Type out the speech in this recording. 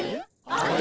あれ？